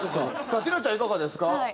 さあティナちゃんいかがですか？